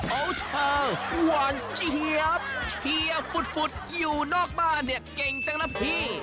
เอาเธอหวานเจี๊ยบเชียร์ฝุดอยู่นอกบ้านเนี่ยเก่งจังนะพี่